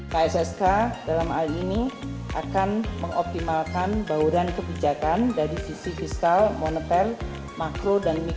kssk dalam hal ini akan mengoptimalkan bauran kebijakan dari sisi fiskal moneter makro dan mikro